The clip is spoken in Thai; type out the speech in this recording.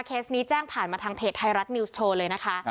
นี้แจ้งผ่านมาทางเพจไทยรัฐนิวส์โชว์เลยนะคะ